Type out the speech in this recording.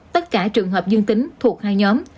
tất cả trường hợp dương tính thuộc hai nhóm